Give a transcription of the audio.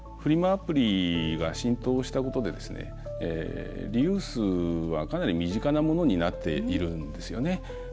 アプリが浸透したことでリユースはかなり身近なものになっているんですね。